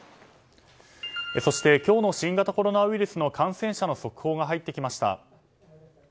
そして今日の新型コロナウイルスの感染者の速報が入ってきました。